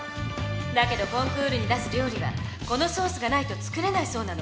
だけどコンクールに出す料理はこのソースがないと作れないそうなの。